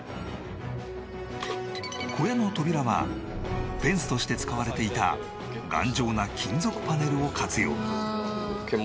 小屋の扉はフェンスとして使われていた頑丈な金属パネルを活用。